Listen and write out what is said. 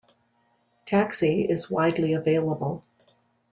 Taxi is widely available.